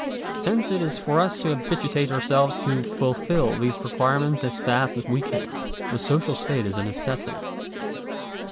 Hence it is for us to habituate ourselves to fulfil these requirements as fast as we can. The social state is a necessity.